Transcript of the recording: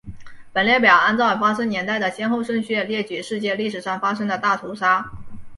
本列表按照发生年代的先后顺序列举世界历史上发生的大屠杀。